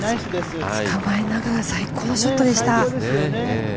捕まえながら最高のショットでしたね。